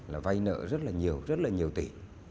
là vay nợ rất là nhiều rất là nhiều tỷ